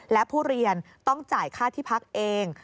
และผู้เรียนต้องจ่ายค่าที่พักเอง